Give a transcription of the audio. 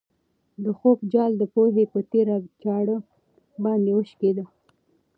د خوب جال د پوهې په تېره چاړه باندې وشکېد.